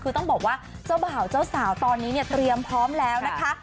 คือต้องบอกว่าเจ้าบ่าวเจ้าสาวตอนนี้เนี่ยเตรียมพร้อมแล้วนะคะ